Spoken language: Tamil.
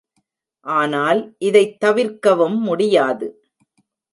ஆனால், இதைத் தவிர்க்கவும் முடியாது.